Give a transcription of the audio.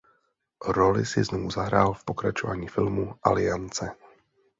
Roli si znovu zahrál v pokračování filmu "Aliance".